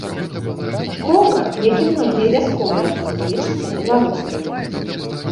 Школка, як і многія вясковыя, лічыцца беларускай.